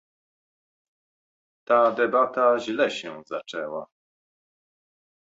Ta debata źle się zaczęła